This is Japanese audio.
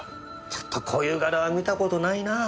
ちょっとこういう柄は見た事ないなあ。